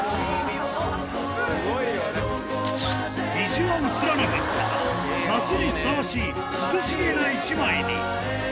虹は写らなかったが、夏にふさわしい涼しげな一枚に。